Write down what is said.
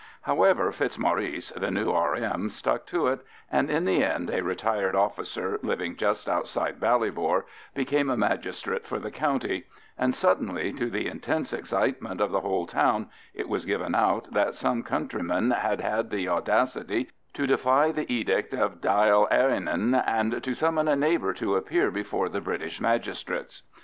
However, Fitzmaurice, the new R.M., stuck to it, and in the end a retired officer, living just outside Ballybor, became a magistrate for the county; and suddenly, to the intense excitement of the whole town, it was given out that some countryman had had the audacity to defy the edict of Dail Eireann, and to summon a neighbour to appear before the British magistrates.